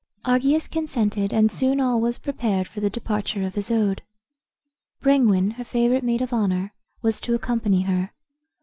Argius consented, and soon all was prepared for the departure of Isoude. Brengwain, her favorite maid of honor, was to accompany her.